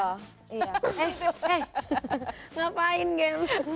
eh eh ngapain gempy